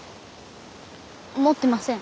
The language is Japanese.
持ってません。